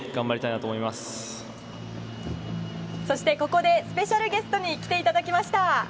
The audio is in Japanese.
ここでスペシャルゲストに来ていただきました。